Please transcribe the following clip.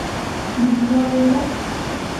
¿vivió ella?